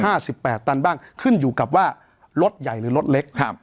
สิบแปดตันบ้างขึ้นอยู่กับว่ารถใหญ่หรือรถเล็กครับ